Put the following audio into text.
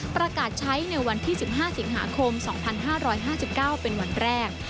ประกาศใช้ในวันที่๑๕สิงหาคม๒๕๕๙เป็นวันแรก